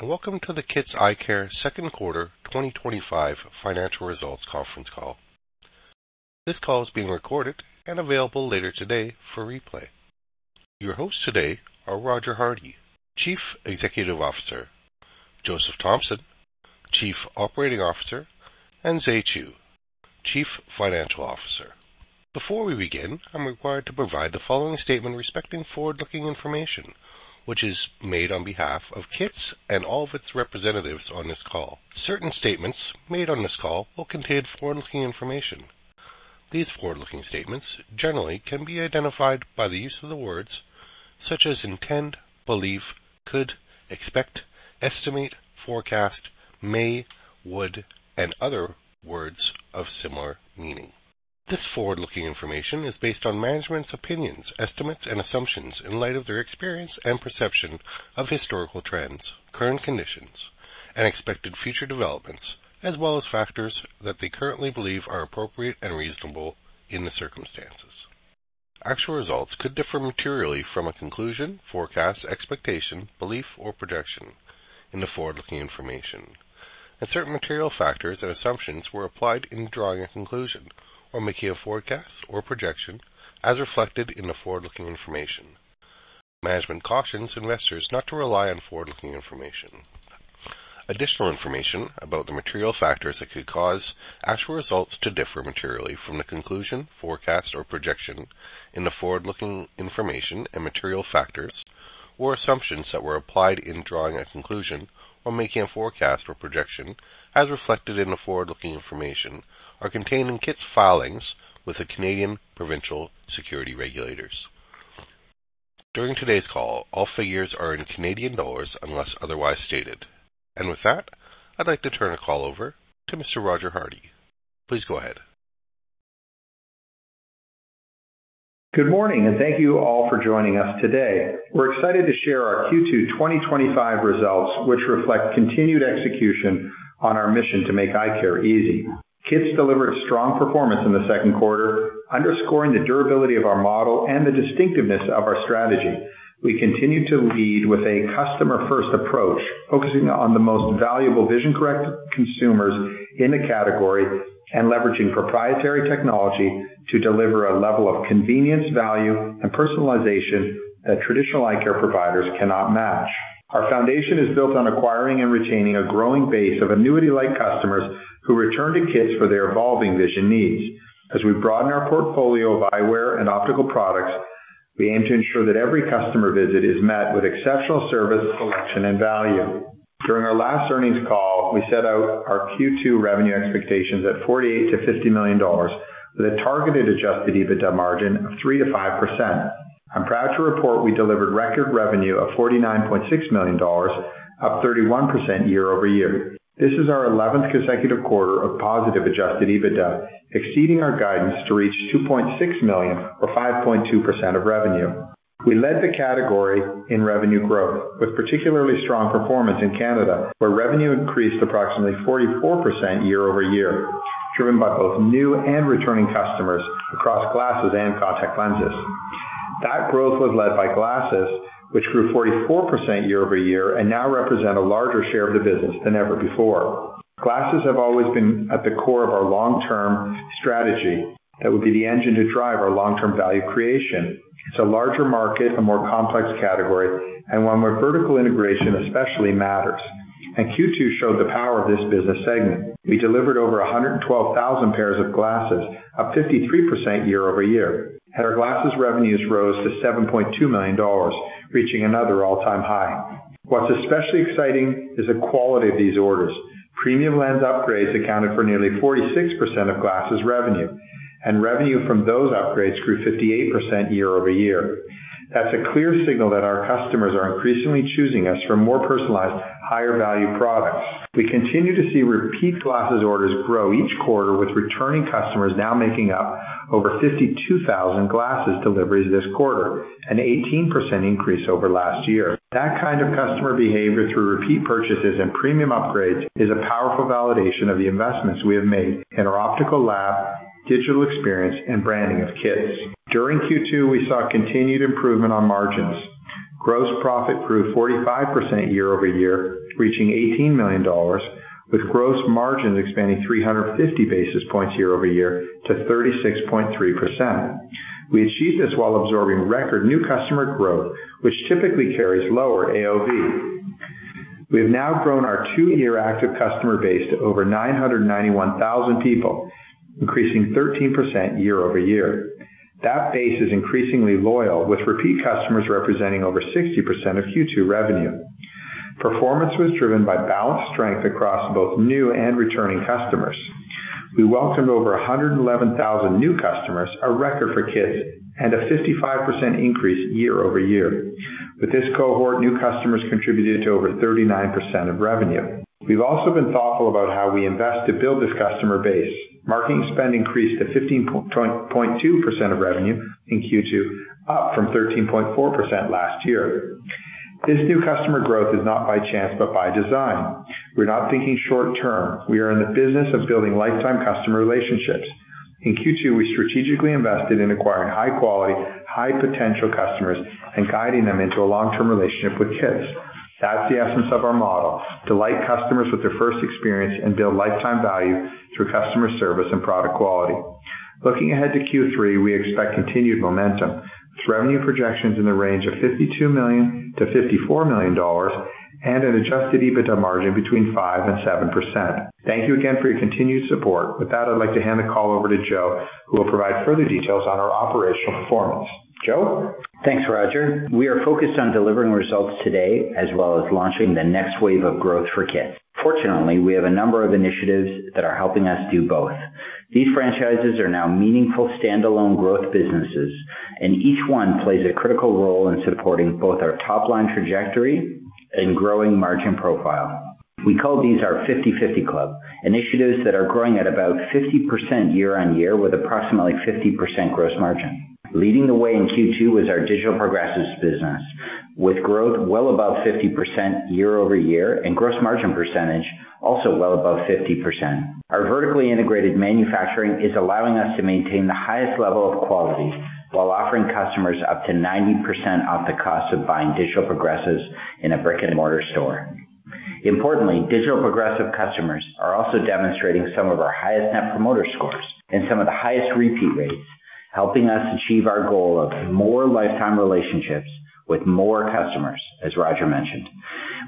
Good morning and welcome to the KITS Eyecare second quarter 2025 financial results conference call. This call is being recorded and will be available later today for replay. Your hosts today are Roger Hardy, Chief Executive Officer, Joseph Thompson, Chief Operating Officer, and Zhe Choo, Chief Financial Officer. Before we begin, I'm required to provide the following statement respecting forward-looking information, which is made on behalf of KITS and all of its representatives on this call. Certain statements made on this call will contain forward-looking information. These forward-looking statements generally can be identified by the use of words such as intend, belief, could, expect, estimate, forecast, may, would, and other words of similar meaning. This forward-looking information is based on management's opinions, estimates, and assumptions in light of their experience and perception of historical trends, current conditions, and expected future developments, as well as factors that they currently believe are appropriate and reasonable in the circumstances. Actual results could differ materially from a conclusion, forecast, expectation, belief, or projection in the forward-looking information, and certain material factors and assumptions were applied in drawing a conclusion or making a forecast or projection as reflected in the forward-looking information. Management cautions investors not to rely on forward-looking information. Additional information about the material factors that could cause actual results to differ materially from the conclusion, forecast, or projection in the forward-looking information, and material factors or assumptions that were applied in drawing a conclusion or making a forecast or projection as reflected in the forward-looking information, are contained in KITS' filings with the Canadian Provincial Securities Regulators. During today's call, all figures are in Canadian dollars unless otherwise stated, and with that, I'd like to turn the call over to Mr. Roger Hardy. Please go ahead. Good morning and thank you all for joining us today. We're excited to share our Q2 2025 results, which reflect continued execution on our mission to make eye care easy. KITS delivered strong performance in the second quarter, underscoring the durability of our model and the distinctiveness of our strategy. We continue to lead with a customer-first approach, focusing on the most valuable vision-correct consumers in a category and leveraging proprietary technology to deliver a level of convenience, value, and personalization that traditional eye care providers cannot match. Our foundation is built on acquiring and retaining a growing base of annuity-like customers who return to KITS for their evolving vision needs. As we broaden our portfolio of eyewear and optical products, we aim to ensure that every customer visit is met with exceptional service, selection, and value. During our last earnings call, we set out our Q2 revenue expectations at 48 million-50 million dollars with a targeted adjusted EBITDA margin of 3%-5%. I'm proud to report we delivered record revenue of 49.6 million dollars, up 31% year-over-year. This is our 11th consecutive quarter of positive adjusted EBITDA, exceeding our guidance to reach 2.6 million or 5.2% of revenue. We led the category in revenue growth with particularly strong performance in Canada, where revenue increased approximately 44% year-over-year, driven by both new and returning customers across glasses and contact lenses. That growth was led by glasses, which grew 44% year-over-year and now represent a larger share of the business than ever before. Glasses have always been at the core of our long-term strategy. That would be the engine to drive our long-term value creation. It's a larger market, a more complex category, and one where vertical integration especially matters. Q2 showed the power of this business segment. We delivered over 112,000 pairs of glasses, up 53% year-over-year. Glasses revenues rose to 7.2 million dollars, reaching another all-time high. What's especially exciting is the quality of these orders. Premium lens upgrades accounted for nearly 46% of glasses revenue, and revenue from those upgrades grew 58% year-over-year. That's a clear signal that our customers are increasingly choosing us for more personalized, higher value products. We continue to see repeat glasses orders grow each quarter, with returning customers now making up over 52,000 glasses delivered this quarter, an 18% increase over last year. That kind of customer behavior through repeat purchases and premium upgrades is a powerful validation of the investments we have made in our optical lab, digital experience, and branding of KITS. During Q2, we saw continued improvement on margins. Gross profit grew 45% year-over-year, reaching 18 million dollars, with gross margins expanding 350 basis points year-over-year to 36.3%. We achieved this while absorbing record new customer growth, which typically carries lower AOV. We have now grown our two-year active customer base to over 991,000 people, increasing 13% year-over-year. That base is increasingly loyal, with repeat customers representing over 60% of Q2 revenue. Performance was driven by balanced strength across both new and returning customers. We welcomed over 111,000 new customers, a record for KITS and a 55% increase year-over-year. With this cohort, new customers contributed to over 39% of revenue. We've also been thoughtful about how we invest to build this customer base. Marketing spend increased to 15.2% of revenue in Q2, up from 13.4% last year. This new customer growth is not by chance, but by design. We're not thinking short term, we are in the business of building lifetime customer relationships. In Q2, we strategically invested in acquiring high-quality, high-potential customers and guiding them into a long-term relationship with KITS. That's the essence of our model. Delight customers with their first experience and build lifetime value through customer service and product quality. Looking ahead to Q3, we expect continued momentum with revenue projections in the range of 52 million-54 million dollars and an adjusted EBITDA margin between 5% and 7%. Thank you again for your continued support. With that, I'd like to hand the call over to Joe, who will provide further details on our operational performance. Joe, thanks Roger. We are focused on delivering results today as well as launching the next wave of growth for KITS. Fortunately, we have a number of initiatives that are helping us do both. These franchises are now meaningful standalone growth businesses, and each one plays a critical role in supporting both our top line trajectory and growing margin profile. We call these our 50/50 Club initiatives that are growing at about 50% year-on-year with approximately 50% gross margin. Leading the way in Q2 was our digital progressives business, with growth well above 50% year-over-year and gross margin percentage also well above 50%. Our vertically integrated manufacturing is allowing us to maintain the highest level of quality while offering customers up to 90% off the cost of buying digital progressives in a brick and mortar store. Importantly, digital progressives customers are also demonstrating some of our highest Net Promoter Scores and some of the highest repeat rates, helping us achieve our goal of more lifetime relationships with more customers. As Roger mentioned,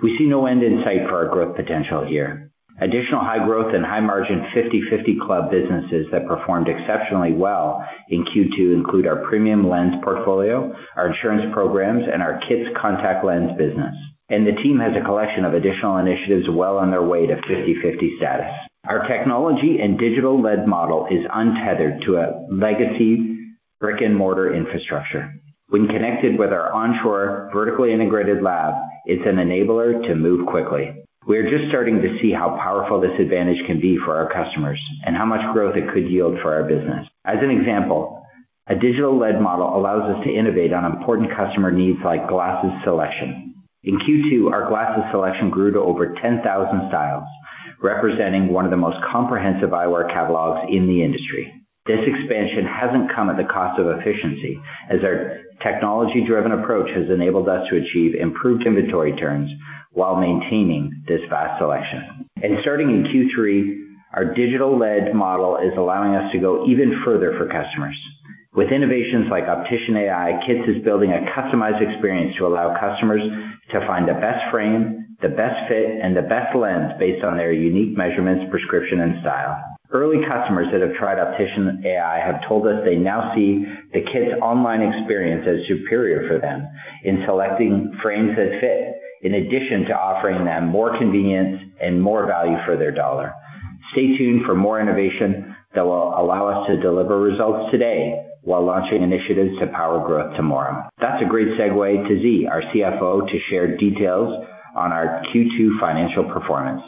we see no end in sight for our growth potential here. Additional high growth and high margin 50/50 Club businesses that performed exceptionally well in Q2 include our premium lens portfolio, our insurance programs, and our KITS contact lens business, and the team has a collection of additional initiatives well on their way to 50/50 status. Our technology and digital-led model is untethered to a legacy brick and mortar infrastructure. When connected with our onshore vertically integrated lab, it's an enabler to move quickly. We are just starting to see how powerful this advantage can be for our customers and how much growth it could yield for our business. For example, a digital-led model allows us to innovate on important customer needs like glasses selection. In Q2, our glasses selection grew to over 10,000 styles, representing one of the most comprehensive eyewear catalogs in the industry. This expansion hasn't come at the cost of efficiency, as our technology-driven approach has enabled us to achieve improved inventory turns while maintaining this vast selection. Starting in Q3, our digital-led model is allowing us to go even further for customers with innovations like OpticianAI. KITS is building a customized experience to allow customers to find the best frame, the best fit, and the best lens based on their unique measurements, prescription, and style. Early customers that have tried OpticianAI have told us they now see the KITS online experience as superior for them in selecting frames that fit, in addition to offering them more convenience and more value for their dollar. Stay tuned for more innovation that will allow us to deliver results today while launching initiatives to power growth tomorrow. That's a great segue to Zhe, our CFO, to share details on our Q2 financial performance.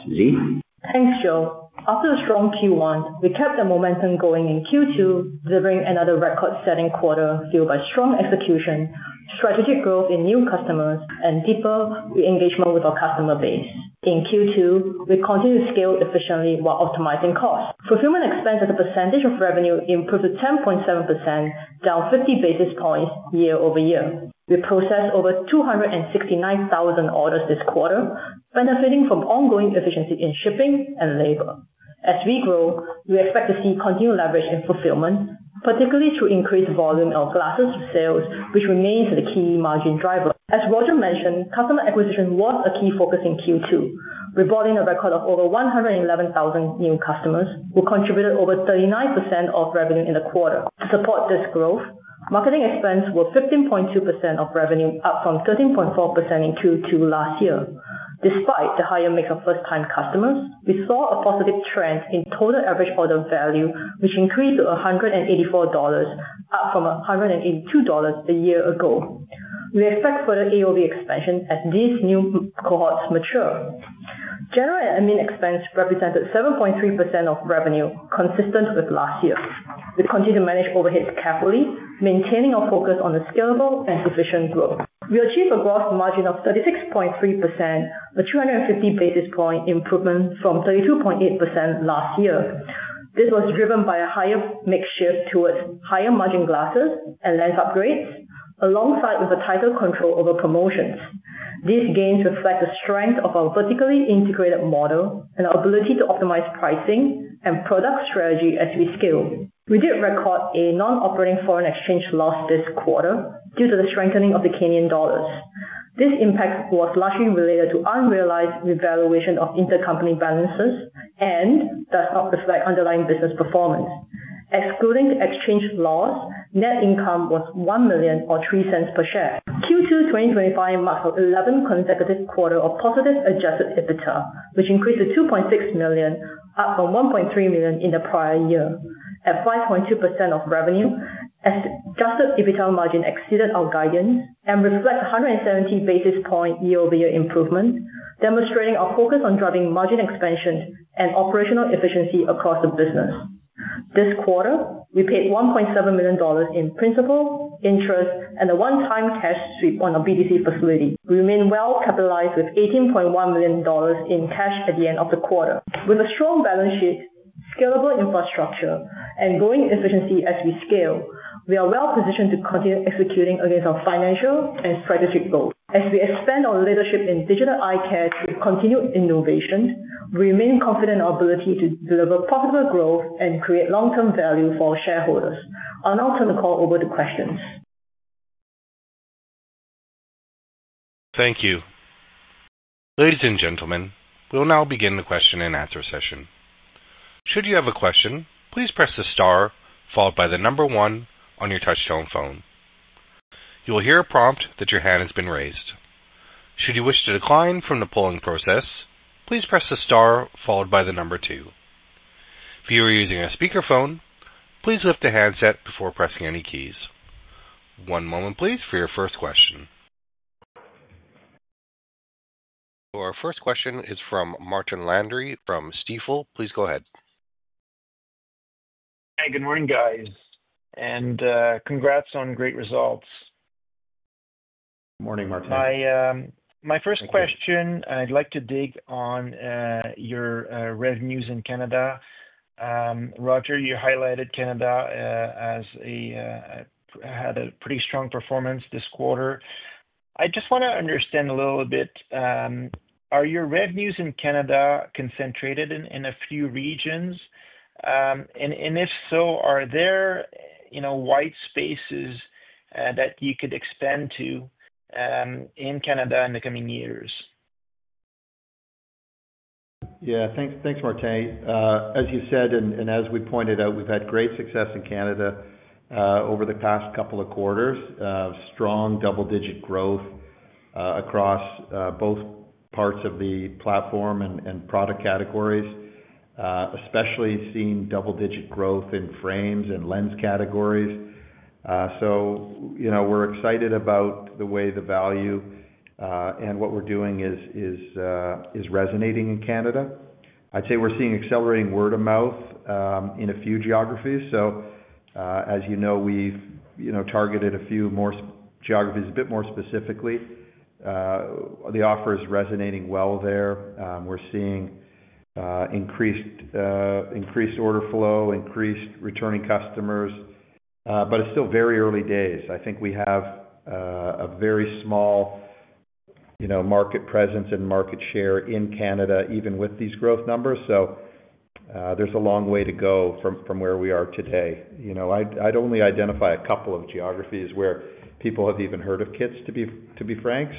Thanks Joe. After the strong Q1, we kept the momentum going in Q2, delivering another record-setting quarter fueled by strong execution, strategic growth in new customers, and deeper re-engagement with our customer base. In Q2, we continued to scale efficiently while optimizing costs. Fulfillment expense as a percentage of revenue improved to 10.7%, down 50 basis points year-over-year. We processed over 269,000 orders this quarter, benefiting from ongoing efficiency in shipping and labor. As we grow, we expect to see continued leverage in fulfillment, particularly through increased volume of glasses sales, which remains the key margin driver. As Roger mentioned, customer acquisition was a key focus in Q2, bringing in a record of over 111,000 new customers who contributed over 39% of revenue in the quarter. To support this growth, marketing expense was 15.2% of revenue, up from 13.4% in Q2 last year. Despite the higher mix of first-time customers, we saw a positive trend in total average order value, which increased to 184 dollars, up from 182 dollars a year ago. We expect further AOV expansion as these new cohorts mature. General admin expense represented 7.3% of revenue, consistent with last year. We continue to manage overheads carefully, maintaining our focus on scalable and efficient growth. We achieved a gross margin of 36.3%, a 250 basis point improvement from 32.8% last year. This was driven by a higher mix shift toward higher margin glasses and premium lens upgrades, along with tighter control over promotions. These gains reflect the strength of our vertically integrated model and our ability to optimize pricing and product strategy as we scale. We did record a non-operating foreign exchange loss this quarter due to the strengthening of the Canadian dollar. This impact was largely related to unrealized revaluation of intercompany balances and does not reflect underlying business performance. Excluding exchange loss, net income was 1 million or 0.03 per share. Q2 2025 marked out 11 consecutive quarters of positive adjusted EBITDA, which increased to 2.6 million, up from 1.3 million in the prior year, at 5.2% of revenue. Adjusted EBITDA margin exceeded our guidance and reflects a 170 basis point year-over-year improvement, demonstrating our focus on driving margin expansion and operational efficiency across the business. This quarter, we paid 1.7 million dollars in principal, interest, and a one-time cash strip on our BTC facility. We remain well capitalized with CAD 18.1 million in cash at the end of the quarter. With a strong balance sheet, scalable infrastructure, and growing efficiency as we scale, we are well positioned to continue executing against our financial and strategic goals. As we expand our leadership in digital eye care through continued innovation, we remain confident in our ability to deliver profitable growth and create long-term value for shareholders. I'll now turn the call over to questions. Thank you, ladies and gentlemen. We will now begin the question and answer session. Should you have a question, please press the star followed by the number one on your touchtone phone. You will hear a prompt that your hand has been raised. Should you wish to decline from the polling process, please press the star followed. By the number two. If you are using a speakerphone, please lift the handset before pressing any keys. One moment please for your first question. Our first question is from Martin Landry from Stifel. Please go ahead. Hey, good morning guys, and congrats on great results. Morning Martin. My first question, I'd like to dig on your revenues in Canada. Roger, you highlighted Canada had a pretty strong performance this quarter. I just want to understand a little bit. Are your revenues in Canada concentrated in a few regions, and if so, are there white spaces that you could expand to in Canada in the coming years? Yeah, thanks Martin. As you said, and as we pointed out, we've had great success in Canada over the past couple of quarters. Strong double-digit growth across both parts of the platform and product categories, especially seeing double-digit growth in frames and lens categories. We're excited about the way the value and what we're doing is resonating in Canada. I'd say we're seeing accelerating word of mouth in a few geographies. As you know, we've targeted a few more geographies. A bit more specifically, the offer is resonating well there. We're seeing increased order flow, increased returning customers, but it's still very early days. I think we have a very small market presence and market share in Canada even with these growth numbers. There's a long way to go from where we are today. I'd only identify a couple of geographies where people have even heard of KITS, to be frank.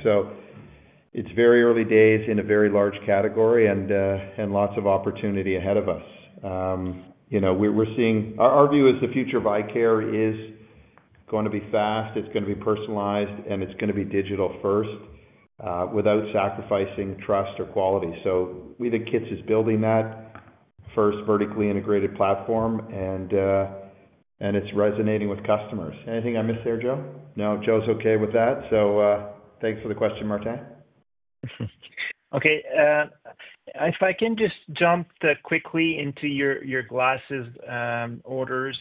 It's very early days in a very large category and lots of opportunity ahead of us. We're seeing, our view is the future of eyecare is going to be fast. It's going to be personalized and it's going to be digital first without sacrificing trust or quality. We think KITS is building that first vertically integrated platform and it's resonating with customers. Anything I missed there, Joe? No, Joe's okay with that. Thanks for the question, Martin. Okay, if I can just jump quickly into your glasses orders,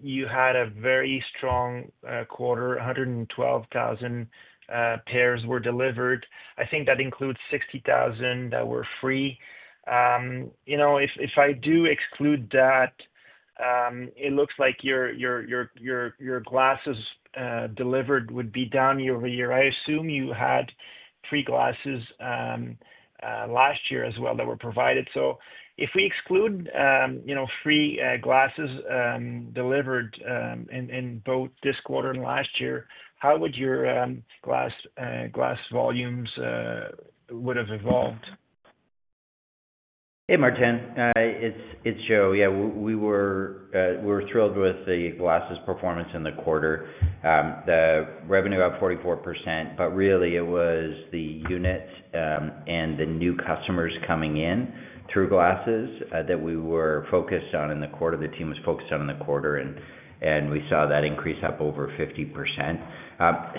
you had a very strong quarter. 112,000 pairs were delivered. I think that includes 60,000 that were free. If I do exclude that, it looks like your glasses delivered would be down year-over-year. I assume you had free glasses last year as well that were provided. If we exclude free glasses delivered in both this quarter and last year, how would your glass volumes have evolved? Hey, Martin, it's Joe. Yeah, we were thrilled with the glasses performance in the quarter. The revenue up 44%. It was the units and the new customers coming in through glasses that we were focused on in the quarter. The team was focused on in the quarter, and we saw that increase up over 50%.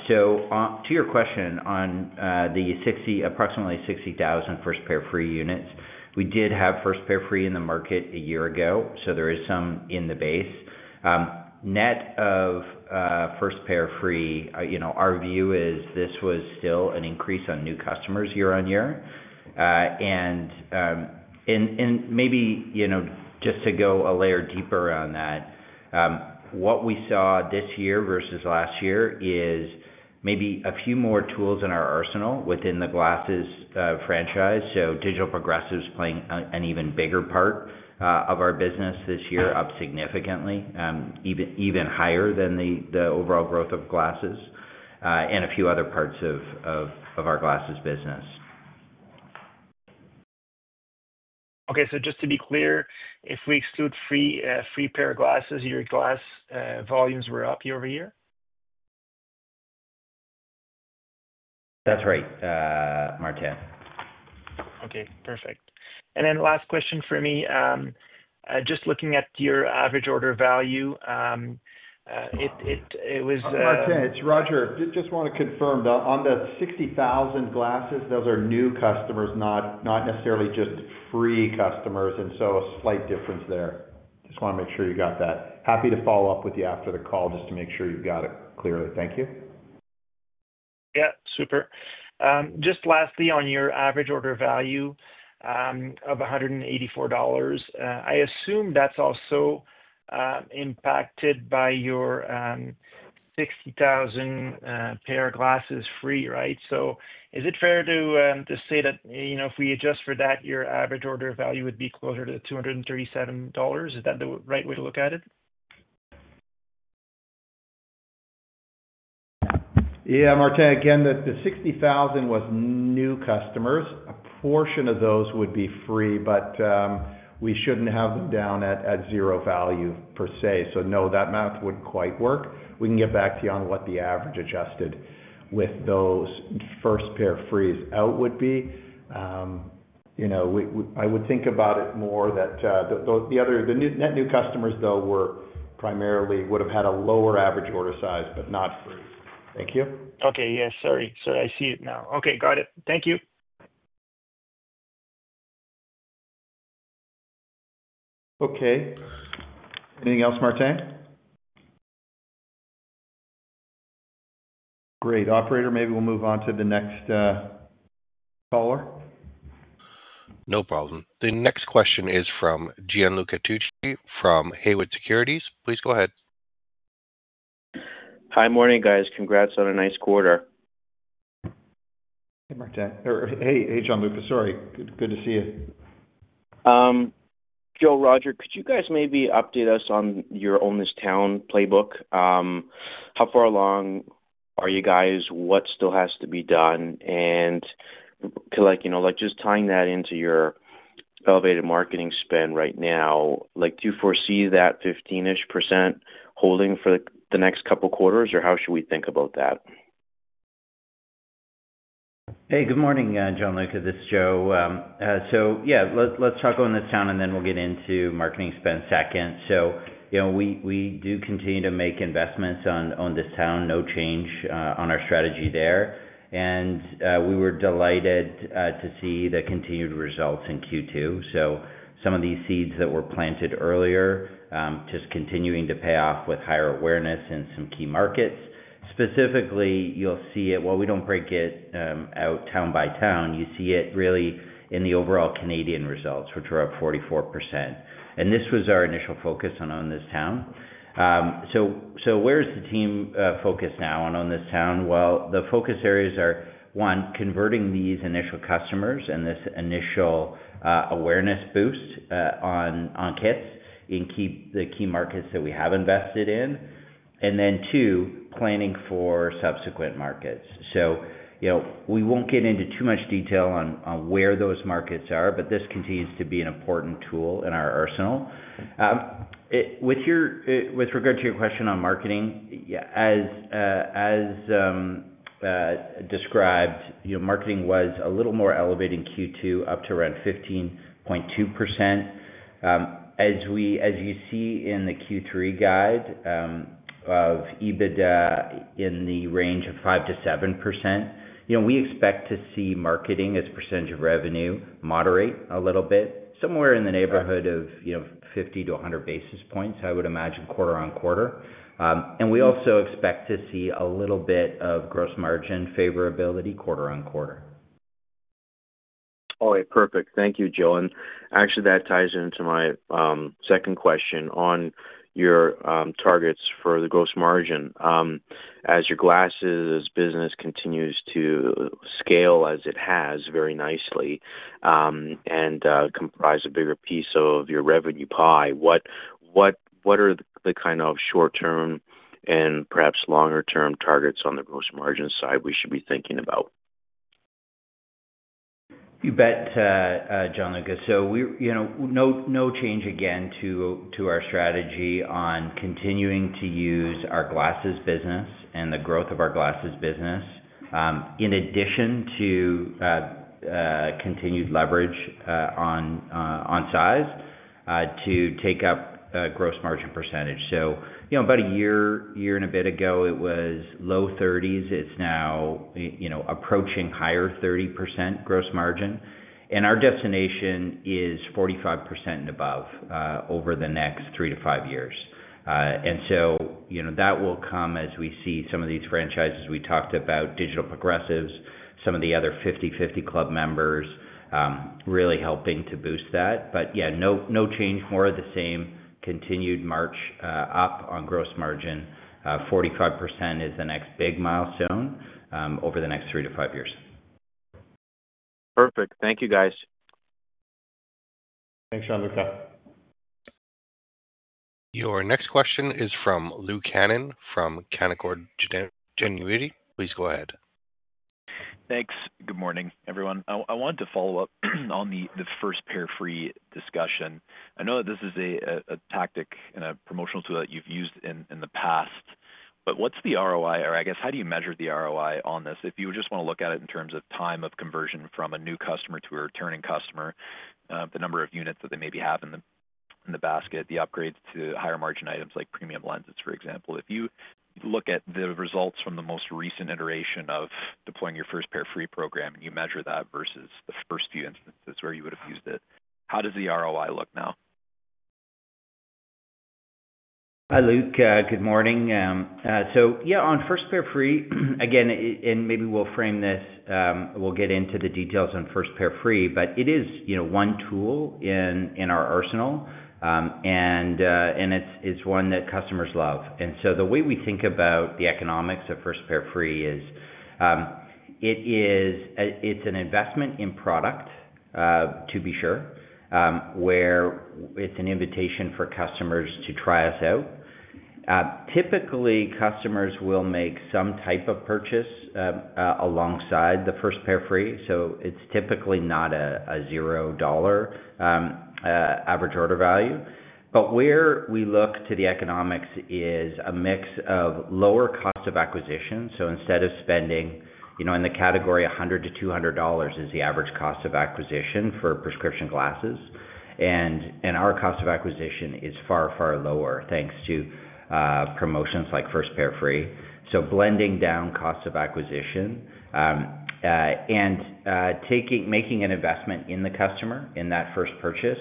To your question, on the approximately 60,000 First Pair Free units, we did have First Pair Free in the market a year ago. There is some in the base net of First Pair Free. Our view is this was still an increase on new customers year-on-year. Maybe just to go a layer deeper on that, what we saw this year versus last year is maybe a few more tools in our arsenal within the glasses franchise. Digital progressives playing an even bigger part of our business this year, up significantly, even higher than the overall growth of glasses and a few other parts of our glasses business. Okay, just to be clear, if we exclude free pair of glasses, your glass volumes were up year-over-year. That's right, Martin. Okay, perfect. Last question for me, just looking at your average order value. It. Martin, it's Roger. Just want to confirm on the 60,000 glasses, those are new customers, not necessarily just free customers. A slight difference there. Just want to make sure you got that. Happy to follow up with you after the call just to make sure you've got it clearly. Thank you. Yeah, super. Just lastly, on your average order value of 184 dollars, I assume that's also impacted by your 60,000 pair glasses free. Right. Is it fair to say that if we adjust for that, your average order value would be closer to 237 dollars? Is that the right way to look at it? Yeah. Martin, again, the 60,000 was new customers. A portion of those would be free, but we shouldn't have them down at zero value per se. No, that math wouldn't quite work. We can get back to you on what the average adjusted with those First Pair Frees out would be. I would think about it more that the net new customers, though, primarily would have had a lower average order size, but not free. Thank you. Okay. Yes, sorry. I see it now. Okay, got it. Thank you. Okay. Anything else? Martin? Great operator. Maybe we'll move on to the next caller. No problem. The next question is from Gianluca Tucci from Haywood Securities. Please go ahead. Hi. Morning guys. Congrats on a nice quarter. Hey Gianluca. Sorry. Good to see you, Joe. Roger, could you guys maybe update us on your Own This Town playbook? How far along are you guys? What still has to be done and just tying that into your elevated marketing spend right now. Do you foresee that 15% ish holding for the next couple quarters or how should we think about that? Hey, good morning Gianluca, this is Joe. Let's talk Own This Town and then we'll get into marketing spend second. We do continue to make investments on Own This Town. No change on our strategy there. We were delighted to see the continued results in Q2. Some of these seeds that were planted earlier are just continuing to pay off with higher awareness in some key markets. Specifically, you'll see it, while we don't break it out town by town, you see it really in the overall Canadian results which were up 44%. This was our initial focus on this. Where is the team focused now on Own This Town? The focus areas are, one, converting these initial customers and this initial awareness boost on KITS in the key markets that we have invested in, and two, planning for subsequent markets. We won't get into too much detail on where those markets are, but this continues to be an important tool in our arsenal. With regard to your question on marketing, as described, marketing was a little more elevated in Q2, up to around 15.2%. As you see in the Q3 guide of EBITDA in the range of 5%-7%, we expect to see marketing as a percentage of revenue moderate a little bit, somewhere in the neighborhood of 50-100 basis points, I would imagine, quarter-on-quarter. We also expect to see a little bit of gross margin favorability, quarter-on-quarter. All right, perfect. Thank you, Joe. That ties into my second question on your targets for the gross margin. As your glasses business continues to scale as it has very nicely and comprise a bigger piece of your revenue pie, what are the kind of short term and perhaps longer term targets on the gross margin side we should be thinking about? You bet, Gianluca. No change again to our strategy on continuing to use our glasses business and the growth of our glasses business in addition to continued leverage on size to take up gross margin percentage. About a year and a bit ago it was low 30%. It's now approaching higher 30% gross margin. Our destination is 45% and above over the next three to five years. That will come as we see some of these franchises. We talked about digital progressives, some of the other 50/50 Club members really helping to boost that. No change. More of the same continued march up on gross margin. 45% is the next big milestone over the next three to five years. Perfect. Thank you guys. Thanks, Gianluca. Your next question is from Luke Hannan from Canaccord Genuity. Please go ahead. Thanks. Good morning, everyone. I wanted to follow up on the first peer-free discussion. I know this is a tactic and a promotional tool that you've used in. The past, what's the ROI or. I guess how do you measure the ROI on this? If you just want to look at it in terms of time of conversion from a new customer to a returning customer, the number of units that they maybe have in the basket, the upgrades to higher margin items like premium lens upgrades. For example, if you look at the results from the most recent iteration of deploying your First Pair Free program and you measure that versus the first few instances where you would have used it, how does the ROI look now? Hi Luke. Good morning. On First Pair Free again, maybe we'll frame this, we'll get into the details on First Pair Free. It is one tool in our arsenal and it's one that customers love. The way we think about the economics of First Pair Free is it's an investment in product to be sure where it's an invitation for customers to try us out. Typically, customers will make some type of purchase alongside the First Pair Free. It's typically not a 0 dollar average order value. Where we look to the economics is a mix of lower cost of acquisition. Instead of spending, you know, in the category, 100-200 dollars is the average cost of acquisition for prescription glasses and our cost of acquisition is far, far lower thanks to promotions like First Pair Free. Blending down cost of acquisition and making an investment in the customer in that first purchase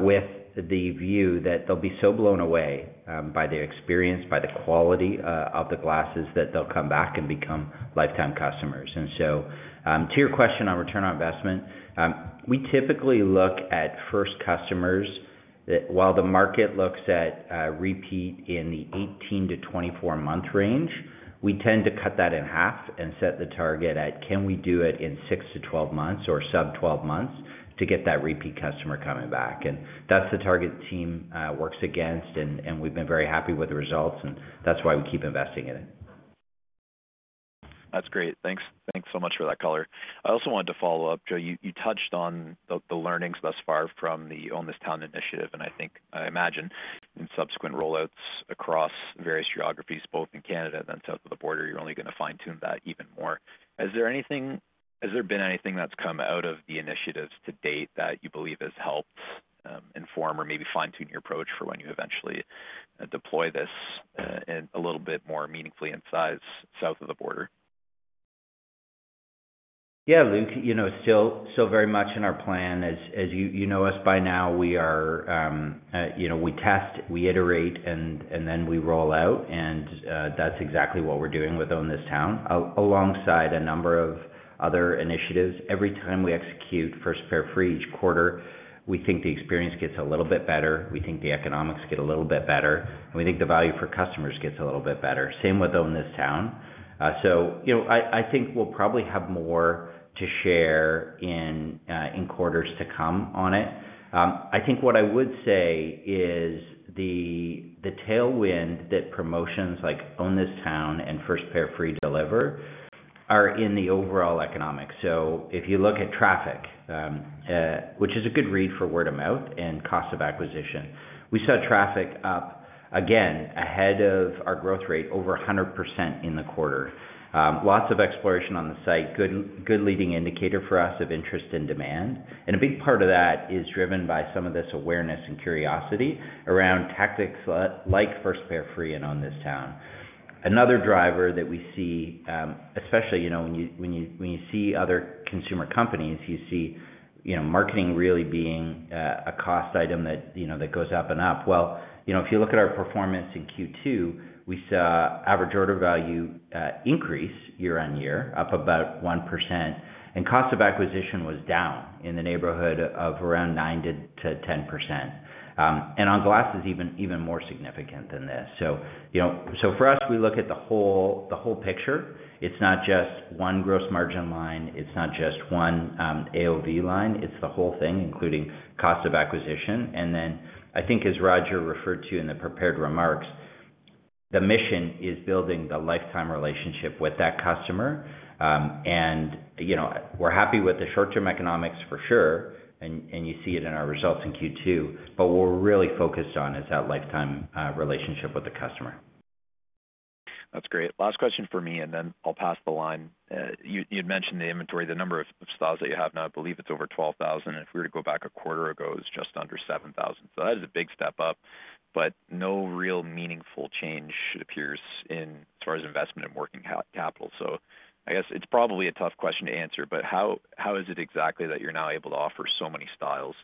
with the view that they'll be so blown away by the experience, by the quality of the glasses that they'll come back and become lifetime customers. To your question on return on investment, we typically look at first customers while the market looks at repeat in the 18-24 month range. We tend to cut that in half and set the target at can we do it in 6-12 months or sub 12 months to get that repeat customer coming back. That's the target team works against. We've been very happy with the results and that's why we keep investing in it. That's great. Thanks. Thanks so much for that color. I also wanted to follow up. Joe, you touched on the learnings thus far from the Own This Town initiative, and I think, I imagine in subsequent rollouts across various geographies, both in Canada, then south of the border, you're only going to fine tune that even more. Has there been anything that's come out of the initiatives to date that you believe has helped inform or maybe fine tune your approach for when you eventually deploy this a little bit more meaningfully in size south of the border? Yeah, Luke, still very much in our plan as you know us by now. We test, we iterate, and then we roll out. That's exactly what we're doing with Own This Town alongside a number of other initiatives. Every time we execute First Pair Free each quarter, we think the experience gets a little bit better, we think the economics get a little bit better, we think the value for customers gets a little bit better. Same with Own This Town. I think we'll probably have more to share in quarters to come on it. What I would say is the tailwind that promotions like Own This Town and First Pair Free deliver are in the overall economics. If you look at traffic, which is a good read for word of mouth and cost of acquisition, we saw traffic up again ahead of our growth rate, over 100% in the quarter. Lots of exploration on the site, good leading indicator for us of interest and demand. A big part of that is driven by some of this awareness and curiosity around tactics like First Pair Free and Own This Town. Another driver that we see, especially when you see other consumer companies, you see marketing really being a cost item that goes up and up. If you look at our performance in Q2, we saw average order value increase year-on-year, up about 1%, and cost of acquisition was down in the neighborhood of around 9%-10%, and on glasses, even more significant than this. For us, we look at the whole picture. It's not just one gross margin line, it's not just one AOV line, it's the whole thing including cost of acquisition. As Roger referred to in the prepared remarks, the mission is building the lifetime relationship with that customer. We're happy with the short term economics for sure, and you see it in our results in Q2, but what we're really focused on is that lifetime relationship with the customer. That's great. Last question for me and then I'll pass the line. You'd mentioned the inventory, the number of styles that you have now, I believe it's over 12,000. If we were to go back a quarter ago, it was just under 7,000. That is a big step up. No real meaningful change appears as far as investment in working capital. I guess it's probably a tough question to answer, but how is it exactly that you're now able to offer so many styles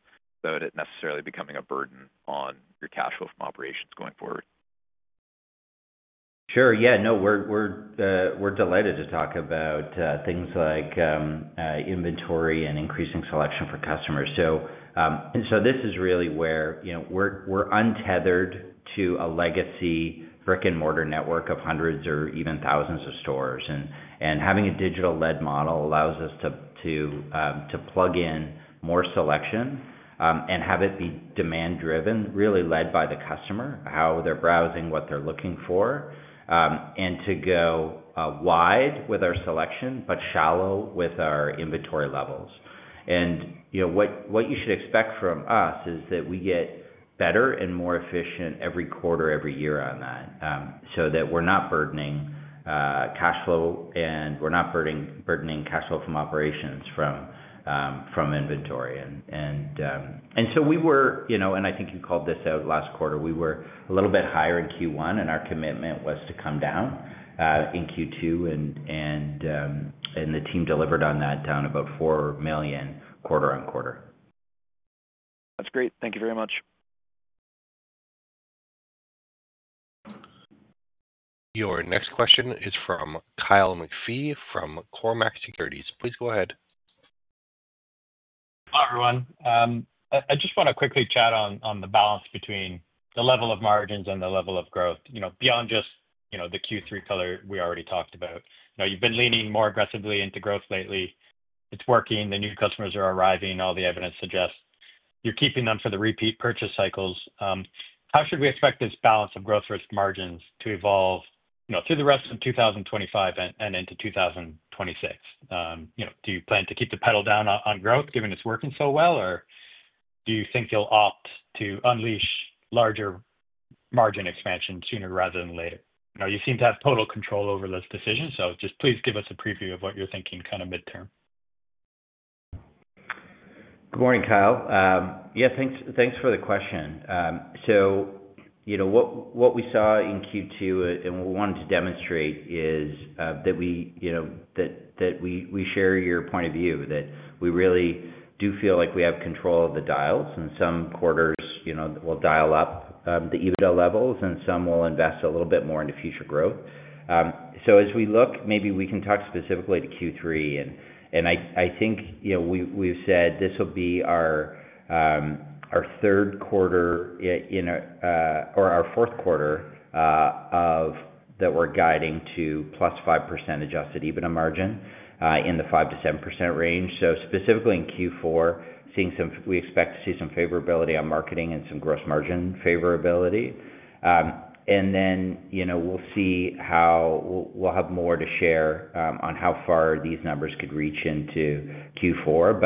without it necessarily becoming a burden on your cash flow from operations going forward? Sure. Yeah, no, we're delighted to talk about things like inventory and increasing selection for customers. This is really where we're untethered to a legacy brick and mortar network of hundreds or even thousands of stores. Having a digital LED model allows us to plug in more selection and have it be demand driven, really led by the customer, how they're browsing, what they're looking for, and to go wide with our selection, but shallow with our inventory levels. You know what you should expect from us is that we get better and more efficient every quarter, every year on that, so that we're not burdening cash flow and we're not burdening cash flow from operations from inventory. I think you called this out last quarter, we were a little bit higher in Q1 and our commitment was to come down in Q2 and the team delivered on that, down about 4 million, quarter-on-quarter. That's great. Thank you very much. Your next question is from Kyle McPhee from Cormark Securities.` Please go ahead. Hello, everyone. I just want to quickly chat on the balance between the level of margins and the level of growth, beyond just the Q3 color we already talked about. Now, you've been leaning more aggressively into growth lately. It's working. The new customers are arriving. All the evidence suggests you're keeping them for the repeat purchase cycles. How should we expect this balance of growth risk margins to evolve through the rest of 2025 and into 2026? Do you plan to keep the pedal down on growth given it's working so well, or do you think you'll opt to unleash larger margin expansion sooner rather than later? You seem to have total control over this decision, so just please give us a preview of what you're thinking kind of midterm. Good morning, Kyle. Yeah, thanks. Thanks for the question. What we saw in Q2 and we wanted to demonstrate is that we share your point of view, that we really do feel like we have control of the dials and some quarters will dial up the EBITDA levels and some will invest a little bit more into future growth. As we look, maybe we can talk specifically to Q3, and I think we've said this will be our third quarter or our fourth quarter that we're guiding to +5% adjusted EBITDA margin in the 5%-7% range. Specifically in Q4, seeing some, we expect to see some favorability on marketing and some gross margin favorability. We'll see how. We'll have more to share on how far these numbers could reach into Q4.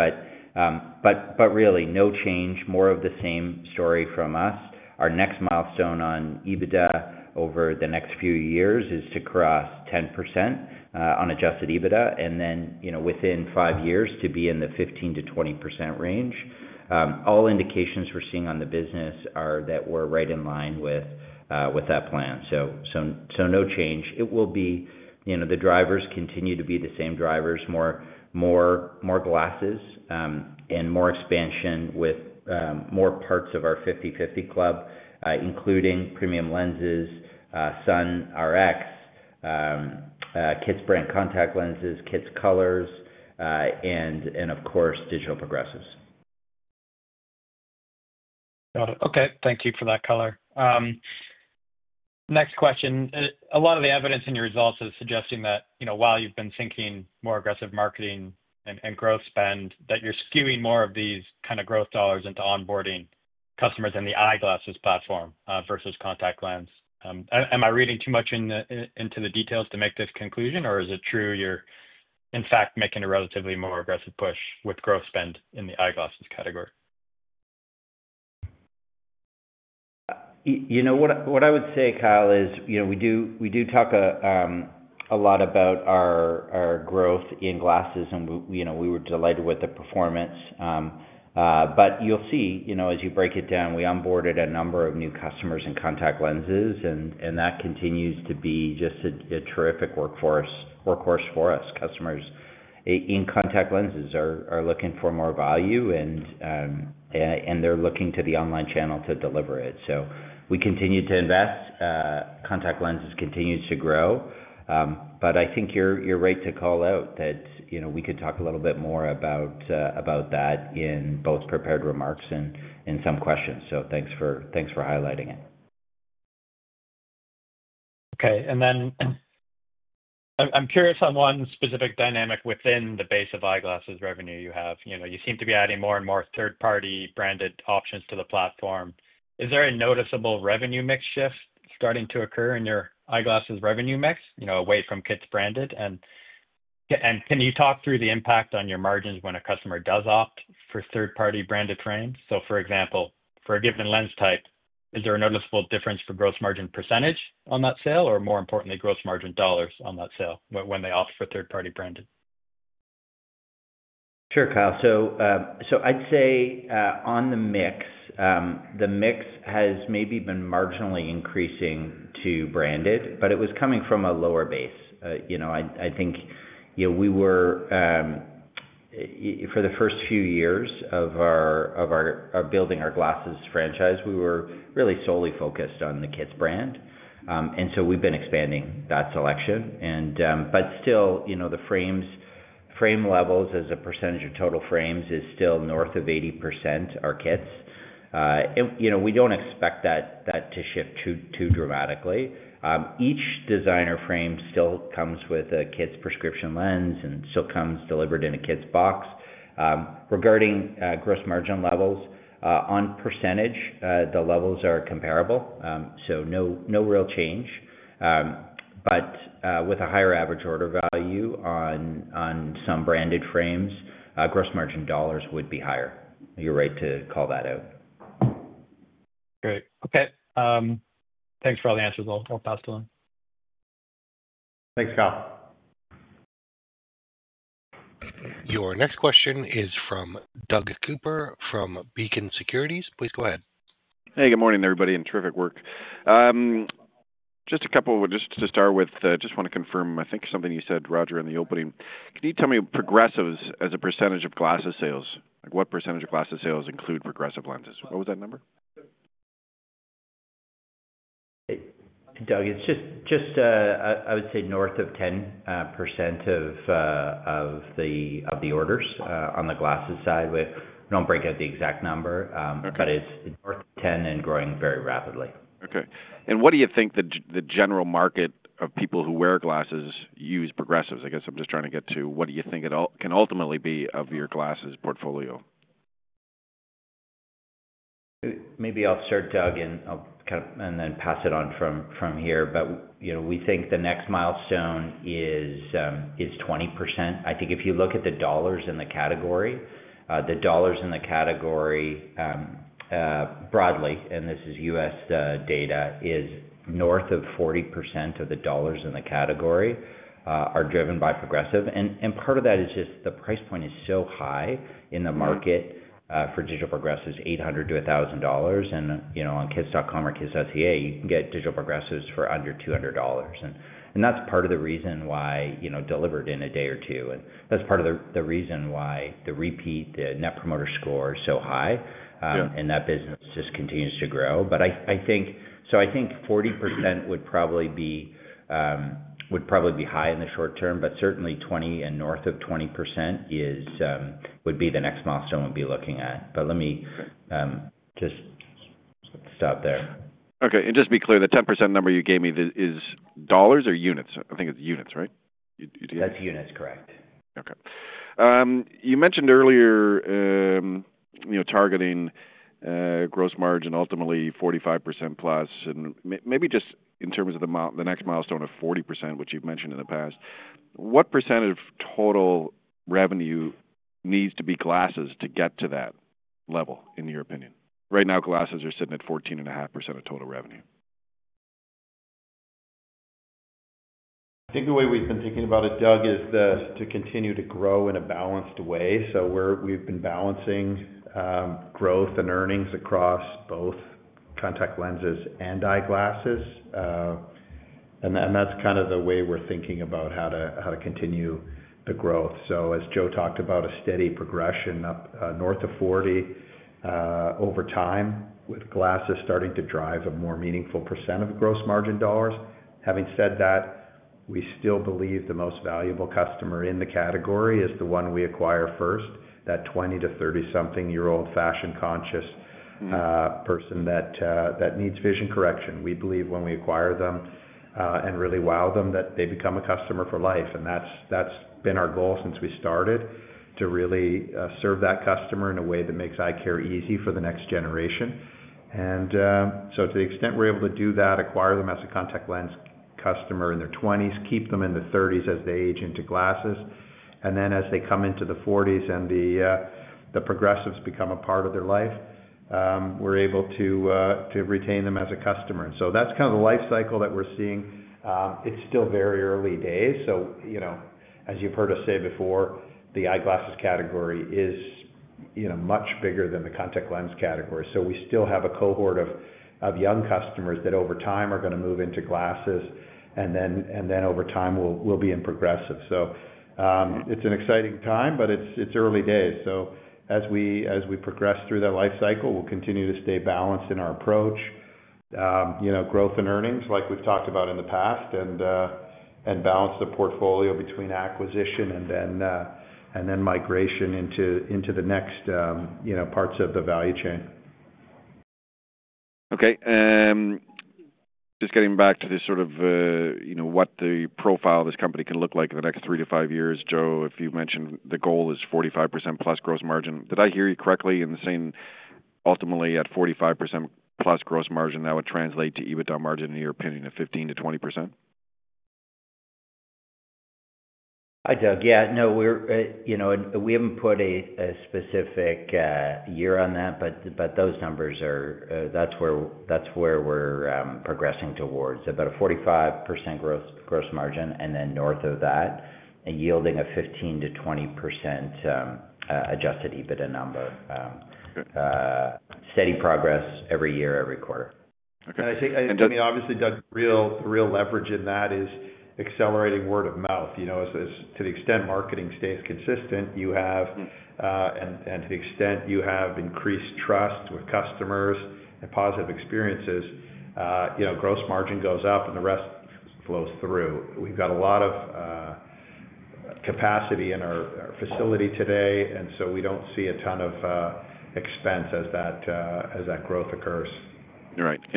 Really no change. More of the same story from us. Our next milestone on EBITDA over the next few years is to cross 10% on adjusted EBITDA and then, within five years, to be in the 15%-20% range. All indications we're seeing on the business are that we're right in line with that plan. No change. It will be, the drivers continue to be the same drivers. More glasses and more expansion with more parts of our 50/50 Club, including premium lens upgrades, Sun RX, KITS brand contact lenses, KITS colors, and of course, digital progressives. Got it. Okay, thank you for that color. Next question. A lot of the evidence in your. Results is suggesting that, you know, while you've been thinking more aggressive marketing and growth spend, that you're skewing more of these kind of growth dollars into onboarding customers in the eyeglasses platform versus contact lens. Am I reading too much into the details to make this conclusion, or is it true you're in fact making a relatively more aggressive push with growth spend in the eyeglasses category? What I would say, Kyle, is we do talk a lot about our growth in glasses, and we were delighted with the performance. You'll see as you break it down, we onboarded a number of new customers in contact lenses, and that continues to be just a terrific workhorse for us. Customers in contact lenses are looking for more value, and they're looking to the online channel to deliver it. We continue to invest. Contact lenses continues to grow. I think you're right to call out that we could talk a little bit more about that in both prepared remarks and some questions. Thanks for highlighting it. Okay. I'm curious on one specific. Dynamic within the base of eyeglasses revenue. You have, you know, you seem to be adding more and more third party branded options to the platform. Is there a noticeable revenue mix shift starting to occur in your eyeglasses revenue mix, you know, away from KITS branded? Can you talk through the impact on your margins when a customer does opt for third party branded frames? For example, for a given lens type, is there a noticeable difference for gross margin percentage on that sale or, more importantly, gross margin dollars on that sale when they offer third party branded? Sure, Kyle. I'd say on the mix, the mix has maybe been marginally increasing to branded, but it was coming from a lower base. I think we were, for the first few years of building our glasses franchise, really solely focused on the KITS brand. We've been expanding that selection, but still the frame levels as a percentage of total frames is still north of 80% are KITS and we don't expect that to shift too dramatically. Each designer frame still comes with a KITS prescription lens and still comes delivered in a KITS box. Regarding gross margin levels on percentage, the levels are comparable. No real change, but with a higher average order value on some branded frames, gross margin dollars would be higher. You're right to call that out. Great. Okay, thanks for all the answers. I'll pass along. Thanks Kyle. Your next question is from Doug Cooper from Beacon Securities. Please go ahead. Hey, good morning, everybody, and terrific work. Just a couple to start with. I just want to confirm, I think, something you said, Roger, in the opening. Can you tell me, progressives as a percentage of glasses sales, what percentage of glasses sales include progressive lenses? What was that number? It's just, I would say north of 10% of the orders on the glasses side. We don't break out the exact number, but it's north of 10% and growing very rapidly. Okay, what do you think the general market of people who wear glasses use progressives? I guess I'm just trying to get to. What do you think it can ultimately? Of your glasses portfolio? Maybe I'll start, Doug, and then pass it on from here. We think the next milestone is 20%. If you look at the dollars in the category, the dollars in the category broadly, and this is U.S. data, is north of 40% of the dollars in the category are driven by progressives. Part of that is just the price point is so high in the market for digital progressives, 800-1,000 dollars. You know, on kits.com or kits.ca, you can get digital progressives for under 200 dollars, and that's part of the reason why, you know, delivered in a day or two. That's part of the reason why the Net Promoter Score is so high and that business just continues to grow. I think 40% would probably be high in the short term, but certainly 20% and north of 20% would be the next milestone we'll be looking at. Just stop there. Okay. Just to be clear, the 10% number you gave me is dollars or units? I think it's units, right? That's units, correct. Okay. You mentioned earlier targeting gross margin, ultimately 45%+. Maybe just in terms of the next milestone of 40%, which you've mentioned in the past, what % of total revenue needs to be glasses to get. To that level, in your opinion? Right now, glasses are sitting at 14.5% of total revenue. I think the way we've been thinking about it, Doug, is to continue to grow in a balanced way. We've been balancing growth and earnings across both contact lenses and eyeglasses, and that's kind of the way we're thinking about how to continue the growth. As Joe talked about, a steady progression up north of 40% over time with glasses starting to drive a more meaningful per cent of gross margin dollars. Having said that, we still believe the most valuable customer in the category is the one we acquire first, that 20 to 30 something year old fashion conscious person that needs vision correction. We believe when we acquire them and really wow them, they become a customer for life. That's been our goal since we started, to really serve that customer in a way that makes eye care easy for the next generation. To the extent we're able to do that, acquire them as a contact lens customer in their 20s, keep them in their 30s as they age into glasses, and then as they come into their 40s and the progressives become a part of their life, we're able to retain them as a customer. That's kind of the life cycle that we're seeing. It's still very early days. As you've heard us say before, the eyeglasses category is much bigger than the contact lens category. We still have a cohort of young customers that over time are going to move into glasses, and then over time will be in progressives. It's an exciting time, but it's early days. As we progress through that life cycle, we'll continue to stay balanced in our approach, growth in earnings like we've talked about in the past, and balance the portfolio between acquisition and then migration into the next parts of the value chain. Okay, just getting back to this, what the profile of this company can look like in the next three to five years. Joe, if you mentioned the goal is 45%+ gross margin, did I hear you correctly? Saying ultimately at 45%+ gross margin, that would translate to EBITDA margin near, pending, at 15%-20%? Hi Doug. Yeah, no, we haven't put a specific year on that, but those numbers are, that's where we're progressing towards, about a 45% gross margin and then north of that and yielding a 15%-20% adjusted EBITDA number. Steady progress every year, every quarter. Obviously the real leverage in that is accelerating word of mouth. To the extent marketing stays consistent, you have, and to the extent you have increased trust with customers and positive experiences, gross margin goes up and the rest flows through. We've got a lot of capacity in our facility today, and we don't see a ton of expense as that growth occurs.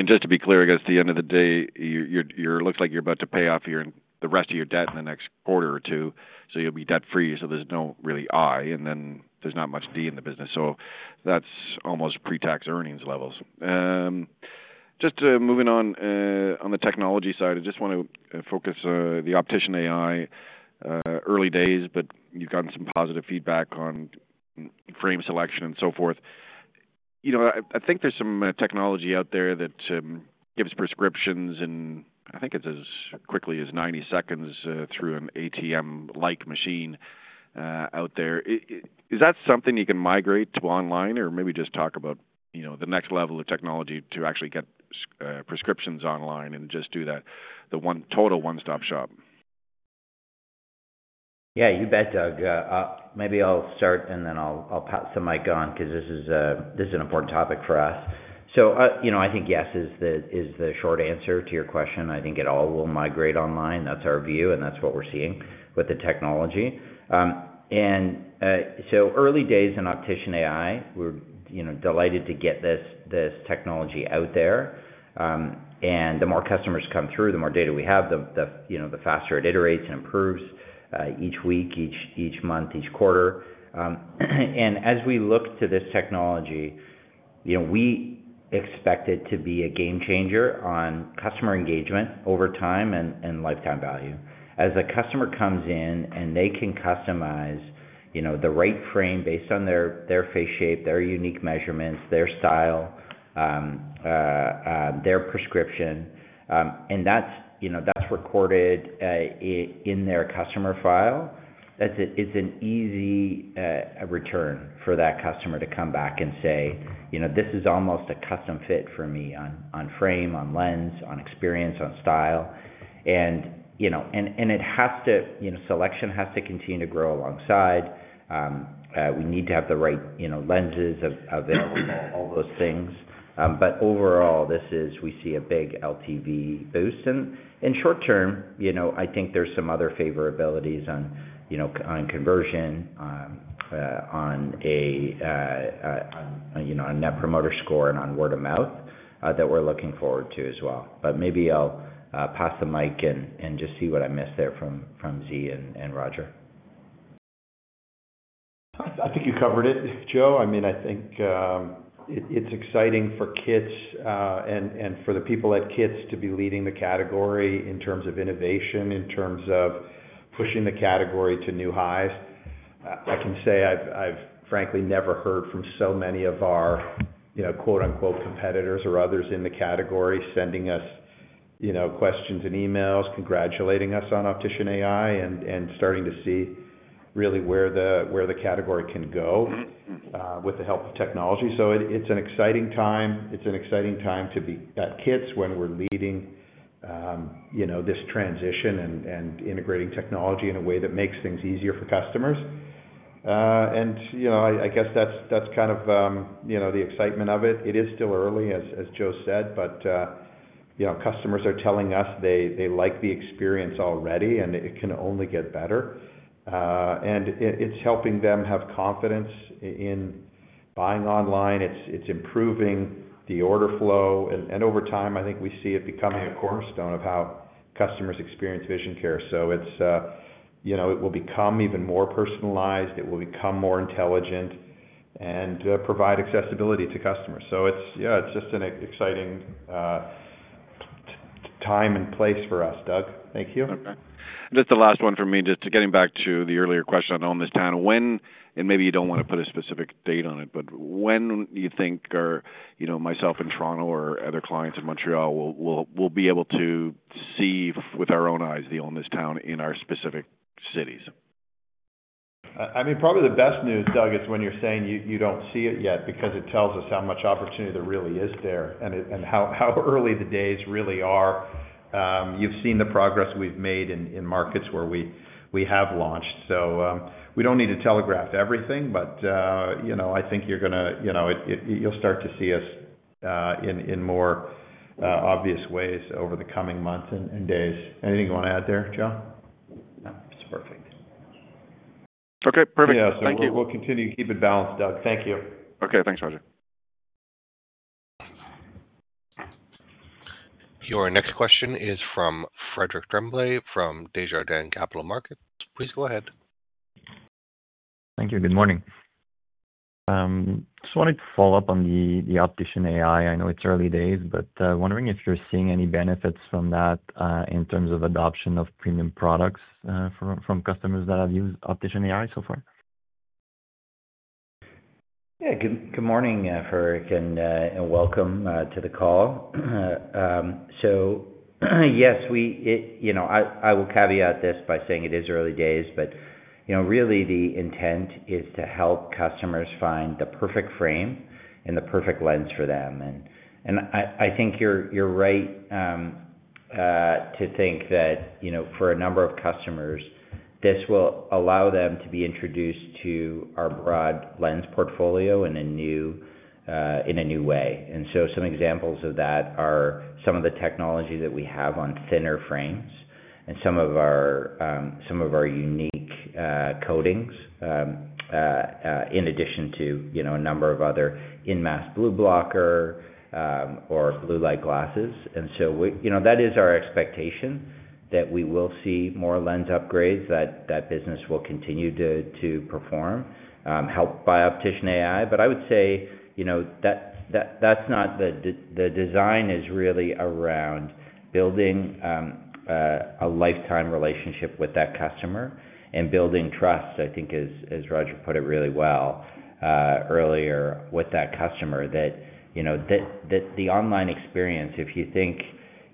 To be clear, I guess at the end of the day it looks like you're about to pay off the rest of your debt. Next quarter or two. You'll be debt free. There's no really I and then. There's not much D in the business, so that's almost pre-tax earnings levels. Just moving on, on the technology side, I just want to focus the OpticianAI. Early days, but you've gotten some positive feedback on frame selection and so forth. You know, I think there's some technology out there that gives prescriptions, and I think it's as quickly as 90 seconds through an ATM-like machine out there. Is that something you can migrate to online, or maybe just talk about the next level of technology to actually get prescriptions online and just do that, the one total one-stop shop. Yeah, you bet Doug. Maybe I'll start and then I'll pass the mic on because this is an important topic for us. I think yes is the short answer to your question. I think it all will migrate online. That's our view and that's what we're seeing with the technology. Early days in OpticianAI, we're delighted to get this technology out there and the more customers come through, the more data we have, the faster it iterates and improves each week, each month, each quarter. As we look to this technology, we expect it to be a game changer on customer engagement over time and lifetime value as a customer comes in and they can customize the right frame based on their face shape, their unique measurements, their style, their prescription, and that's recorded in their customer file. That's it. It's an easy return for that customer to come back and say this is almost a custom fit for me on frame, on lens, on experience, on style, and it has to, selection has to continue to grow alongside. We need to have the right lenses available, all those things. Overall, we see a big LTV boost and in short term I think there's some other favorabilities on conversion, on Net Promoter Score, and on word of mouth that we're looking forward to as well. Maybe I'll pass the mic and just see what I missed there from Zhe and Roger. I think you covered it, Joe. I mean, I think it's exciting for KITS and for the people at KITS to be leading the category in terms of innovation, in terms of pushing the category to new highs. I can say I've frankly never heard from so many of our quote unquote competitors or others in the category sending us questions and emails congratulating us on OpticianAI and starting to see really where the category can go with the help of technology. It's an exciting time. It's an exciting time to be at KITS when we're leading this transition and integrating technology in a way that makes things easier for customers. I guess that's kind of the excitement of it. It is still early, as Joe said, but customers are telling us they like the experience already and it can only get better. It's helping them have confidence in buying online. It's improving the order flow. Over time, I think we see it becoming a cornerstone of how customers experience vision care. It will become even more personalized. It will become more intelligent and provide accessibility to customers. Yeah, it's just an exciting time. Time. Thank you, Doug. That's the last one for me. Just getting back to the earlier question on Own This Town. When. Maybe you don't want to put a specific date on it, but when you think, or, you know, myself in Toronto or other clients in Montreal, we'll be able to see with our own eyes the Own This Town campaign in our specific cities. I mean, probably the best news, Doug, is when you're saying you don't see it yet because it tells us how much opportunity there really is there and how early the days really are. You've seen the progress we've made in markets where we have launched, so we don't need to telegraph everything. I think you're going to. You'll start to see us in more obvious ways over the coming months and days. Anything you want to add there, Joe? Perfect. Okay, perfect. Thank you. We'll continue to keep it balanced. Doug. Thank you. Okay, thanks, Roger. Your next question is from Frederic Tremblay from Desjardins Capital Markets. Please go ahead. Thank you. Good morning. Just wanted to follow up on the OpticianAI. I know it's early days, but wondering if you're seeing any benefits from that in terms of adoption of premium products from customers that have used OpticianAI so far. Yeah. Good morning, Frederic, and welcome to the call. Yes, I will caveat this by saying it is early days, but really the intent is to help customers find the perfect frame and the perfect lens for them. I think you're right to think that for a number of customers, this will allow them to be introduced to our broad lens portfolio in a new way. Some examples of that are some of the technology that we have on thinner frames and some of our unique coatings, in addition to a number of other in-mass blue blocker or blue light glasses. That is our expectation that we will see more lens upgrades, that business will continue to perform, helped by OpticianAI. I would say that the design is really around building a lifetime relationship with that customer and building trust. I think, as Roger put it really well earlier with that customer, that the online experience, if you think,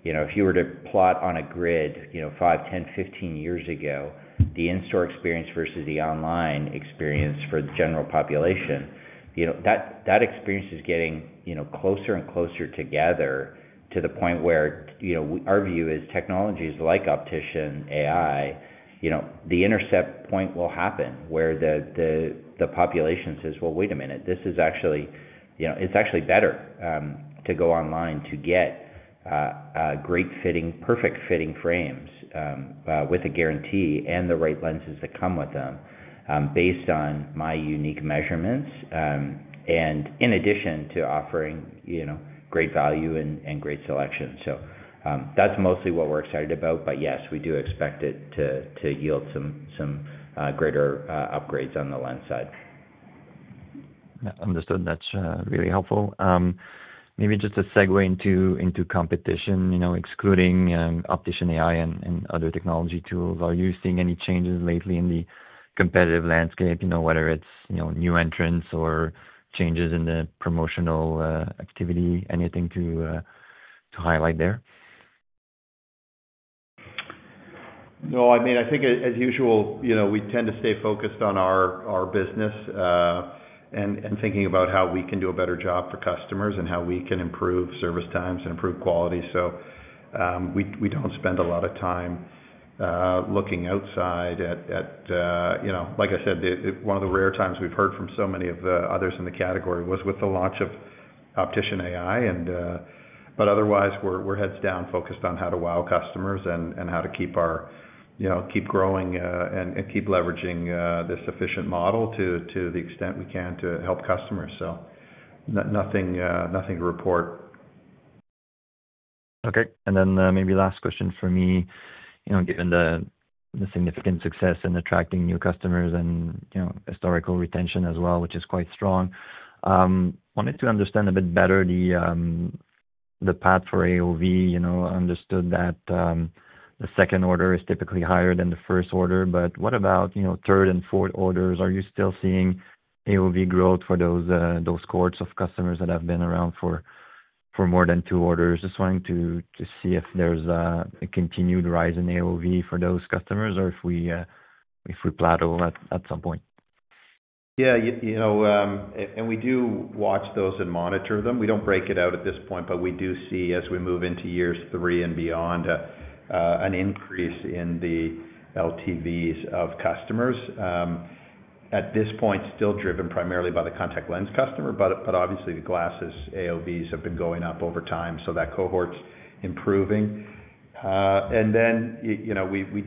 you know, if you were to plot on a grid, you know, 5, 10, 15 years ago, the in-store experience versus the online experience for the general population, that experience is getting closer and closer together to the point where our view is technologies like OpticianAI, the intercept point will happen where the population says, wait a minute, this is actually, you know, it's actually better to go online to get great fitting, perfect fitting frames with a guarantee and the right lenses that come with them based on my unique measurements and in addition to offering great value and great selection. That's mostly what we're excited about. Yes, we do expect it to yield some greater upgrades on the lens side. Understood. That's really helpful. Maybe just a segue into competition, excluding OpticianAI and other technology tools. Are you seeing any changes lately in the competitive landscape? Whether it's new entrants or changes in the promotional activity, anything to highlight there? No. I mean, I think as usual, we tend to stay focused on our business and thinking about how we can do a better job for customers and how we can improve service times and improve quality. We do not spend a lot of time looking outside at, you know, like I said, one of the rare times we've heard from so many of the others in the category was with the launch of OpticianAI. Otherwise, we're heads down focused on how to wow customers and how to keep our, you know, keep growing and keep leveraging this efficient model to the extent we can to help customers. Nothing to report. Okay, and then maybe last question for me. Given the significant success in attracting new customers and historical retention as well, which is quite strong, wanted to understand a bit better the path for AOV. Understood that the second order is typically higher than the first order, but what about third and fourth orders? Are you still seeing AOV growth for those cohorts of customers that have been around for more than two orders? Just wanting to see if there's a continued rise in AOV for those customers or if we plateau at some point? Yeah, and we do watch those and monitor them. We don't break it out at this point, but we do see as we move into years three and beyond, an increase in the LTVs of customers and at this point still driven primarily by the contact lens customer. Obviously, the glasses AOVs have been going up over time, so that cohort's improving. We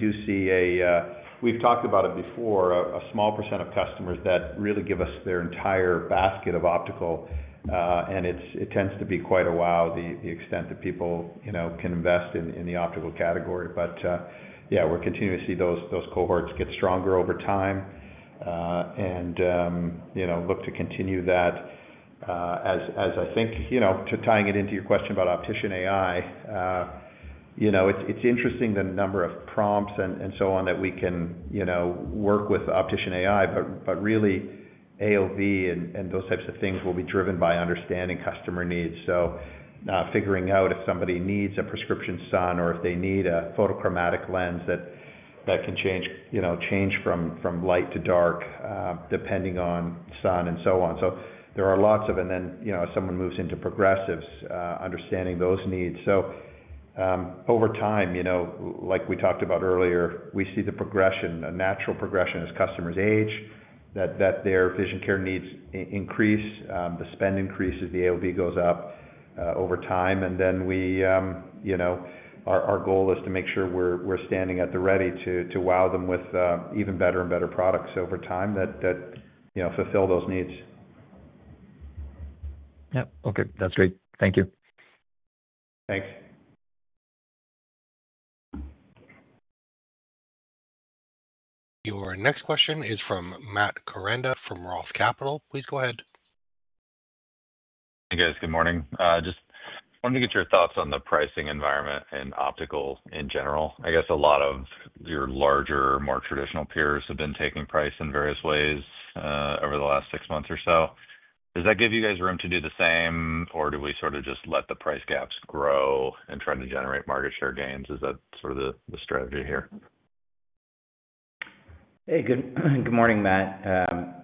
do see, as we've talked about before, a small per cent of customers that really give us their entire basket of optical. It tends to be quite a while, the extent that people can invest in the optical category. Yeah, we're continuing to see those cohorts get stronger over time and look to continue that as I think to tying it into your question about OpticianAI. It's interesting, the number of prompts and so on that we can work with OpticianAI, but really AOV and those types of things will be driven by understanding customer needs. Figuring out if somebody needs a prescription sun or if they need a photochromatic lens that can change from light to dark depending on sun and so on. There are lots of those. When someone moves into progressives, understanding those needs. Over time, like we talked about earlier, we see the progression, a natural progression as customers age that their vision care needs increase, the spend increases, the AOV goes up over time. Our goal is to make sure we're standing at the ready to wow them with even better and better products over time that fulfill those needs. Yeah. Okay, that's great. Thank you. Thanks. Your next question is from Matt Koranda from Roth Capital. Please go ahead. Hey guys. Good morning. Just wanted to get your thoughts on the pricing environment and optical in general. I guess a lot of your larger, more traditional peers have been taking price in various ways over the last six months or so. Does that give you guys room to do the same, or do we sort of just let the price gaps grow and try to generate market share gains? Is that sort of the strategy here? Hey, good morning, Matt.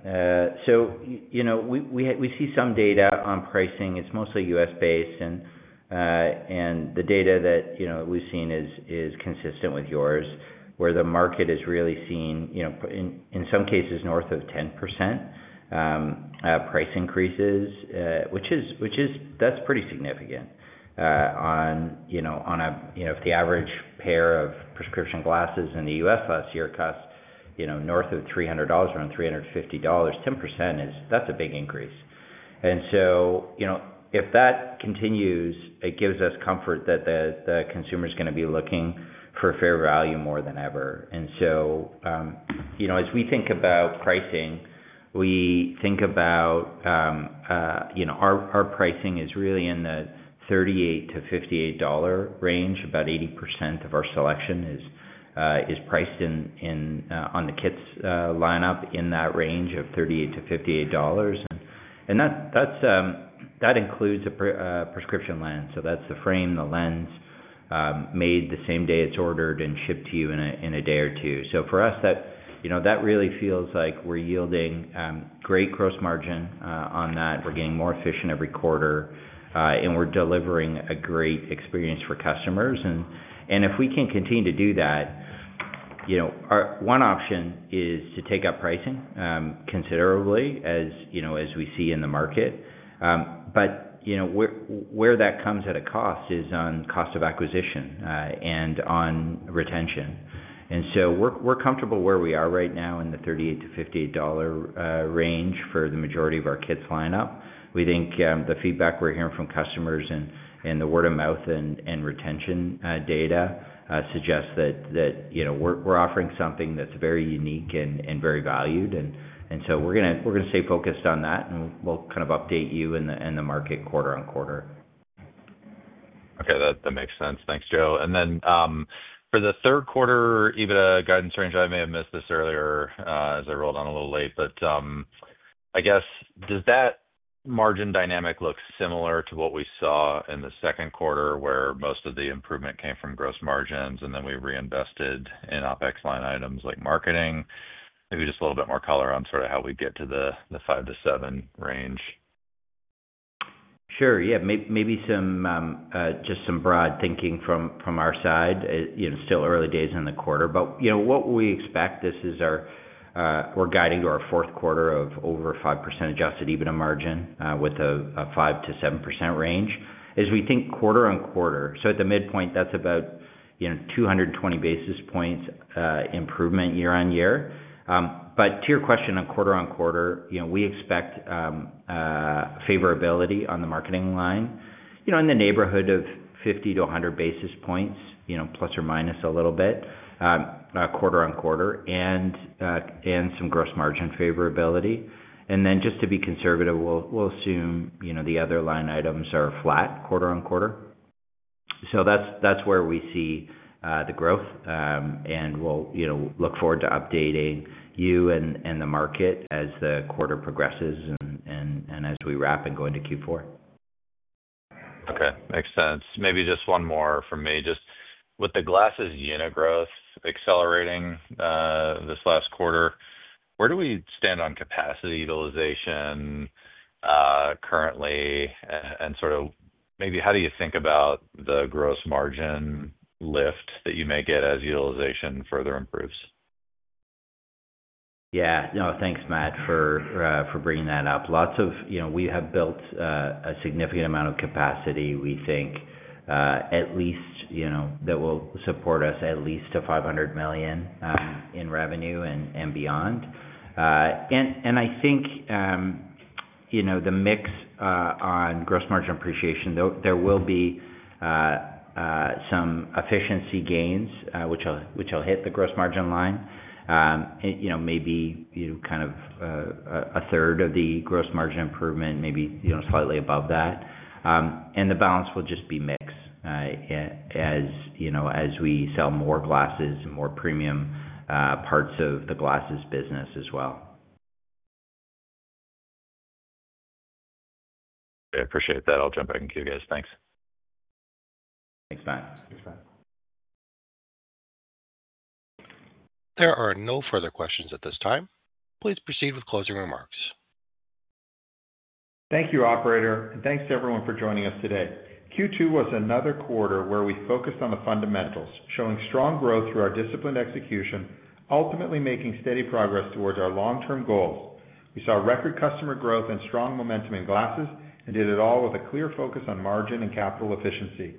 We see some data on pricing. It's mostly U.S. based. The data that we've seen is consistent with yours where the market has really seen, in some cases, north of 10% price increases, which is pretty significant. If the average pair of prescription glasses in the U.S. last year costs north of 300 dollars, around 350 dollars, 10% is. If that continues, it gives us comfort that the consumer is going to be looking for fair value more than ever. As we think about pricing, we think about our pricing as really in the 38-58 dollar range. About 80% of our selection is priced on the KITS lineup in that range of 38-58 dollars, and that includes a prescription lens. That's the frame, the lens made the same day, it's ordered and shipped to you in a day or two. For us, that really feels like we're yielding great gross margin on that. We're getting more efficient every quarter and we're delivering a great experience for customers. If we can continue to do that, one option is to take up pricing considerably, as we see in the market. Where that comes at a cost is on cost of acquisition and on retention. We're comfortable where we are right now in the 38-58 dollar range for the majority of our KITS lineup. We think the feedback we're hearing from customers and the word of mouth and retention data suggests that we're offering something that's very unique and very valued. We're going to stay focused on that and we'll update you and the market quarter-on-quarter. Okay, that makes sense. Thanks, Joe. For the third quarter EBITDA guidance range, I may have missed this earlier as I rolled on a little late, but does that margin dynamic look similar to what we saw in the second quarter where most of the improvement came from gross margin? We reinvested in OpEx line items like marketing. Maybe just a little bit more color on sort of how we get to the 5%-7% range. Sure. Maybe just some broad thinking from our side, still early days in the quarter. What we expect, we're guiding to our fourth quarter of over 5% adjusted EBITDA margin with a 5%-7% range as we think quarter-on-quarter. At the midpoint, that's about, you know, 220 basis points improvement year-on-year. To your question, on quarter-on-quarter, we expect favorability on the marketing line, in the neighborhood of 50-100 basis points± a little bit quarter-on-quarter, and some gross margin favorability. Just to be conservative, we'll assume the other line items are flat quarter-on-quarter. That's where we see the growth and we'll look forward to updating you and the market as the quarter progresses and as we wrap and go into Q4. Okay, makes sense. Maybe just one more from me. Just with the glasses unit growth accelerating. This last quarter, where do we stand? On capacity utilization currently and sort of maybe how do you think about the gross margin lift that you may get as utilization further improves? Thanks, Matt, for bringing that up. We have built a significant amount of capacity. We think at least that will support us at least to 500 million in revenue and beyond. I think the mix on gross margin appreciation, there will be some efficiency gains which will hit the gross margin line, maybe kind of a third of the gross margin improvement, maybe slightly above that, and the balance will just be mix as we sell more glasses and more premium parts of the glasses business as well. I appreciate that. I'll jump back in queue, guys. Thanks. Thanks. There are no further questions at this time. Please proceed with closing remarks. Thank you, operator. Thanks to everyone for joining us today. Q2 was another quarter where we focused on the fundamentals, showing strong growth through our disciplined execution, ultimately making steady progress towards our long-term goals. We saw record customer growth and strong momentum in glasses and did it all with a clear focus on margin and capital efficiency.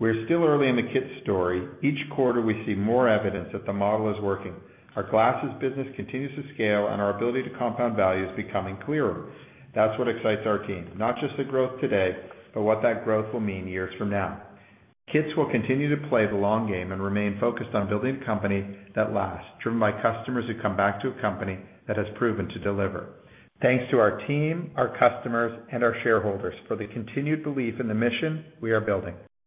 We're still early in the KITS story. Each quarter we see more evidence that the model is working. Our glasses business continues to scale and our ability to compound value is becoming clearer. That's what excites our team, not just the growth today, but what that growth will mean years from now. KITS will continue to play the long game and remain focused on building a company that lasts, driven by customers who come back to a company that has proven to deliver. Thanks to our team, our customers, and our shareholders for the continued belief in the mission we are building.